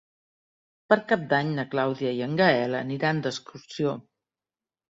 Per Cap d'Any na Clàudia i en Gaël aniran d'excursió.